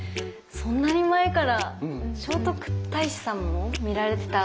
そんなに前から聖徳太子さんも見られてた。